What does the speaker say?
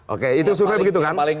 oke itu survei begitu kan